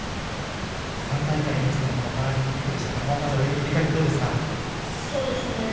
３大会連続のパラリンピックでしたけれどもまず泳ぎ振り返ってどうですか。